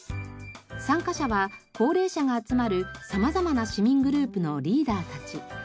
参加者は高齢者が集まる様々な市民グループのリーダーたち。